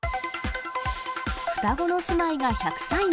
双子の姉妹が１００歳に。